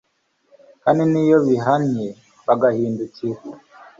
kandi n'iyo bihannye bagahindukira